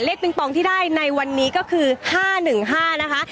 ปิงปองที่ได้ในวันนี้ก็คือ๕๑๕นะคะ